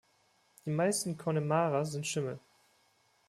Die meisten Connemara sind Schimmel.